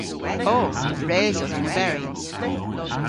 O. Res o dhyn oberi.